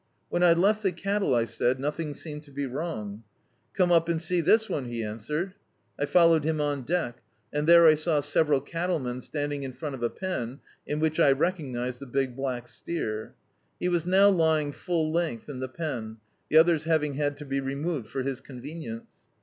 "When I left the cattle," I said, "nothing seemed to be wrong." "Comt up and see this one," he answered. I followed him on deck, and there I saw several cattlemen standing in front of a. pen, in which I reco^ised the big black steer. He was now lying full length in the pen, the others having had to be removed for his convenience.